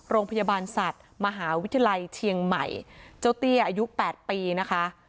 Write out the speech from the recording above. โรงพยาบาลสัตว์มหาวิทยาลัยเชียงใหม่เจ้าเตี้ยอายุ๘ปีนะคะ